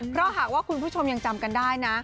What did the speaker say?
เพราะหากว่าคุณผู้ชมยังจำกันได้นะ